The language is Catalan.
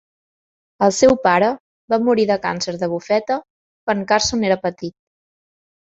El seu pare va morir de càncer de bufeta quan Carson era petit.